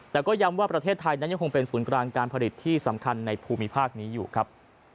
แต่ก็ย้ำว่าประเทศไทยนั้นยังคงเป็นศูนย์กลางการผลิตที่สำคัญในภูมิภาคนี้อยู่ครับ